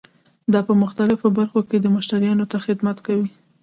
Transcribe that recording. دا په مختلفو برخو کې مشتریانو ته خدمت کوي.